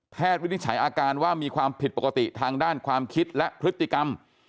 วินิจฉัยอาการว่ามีความผิดปกติทางด้านความคิดและพฤติกรรม